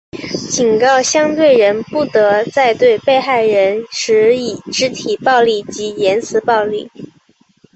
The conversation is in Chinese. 警告相对人不得再对被害人施以肢体暴力及言词暴力。